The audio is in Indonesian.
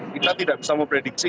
kita tidak bisa memprediksi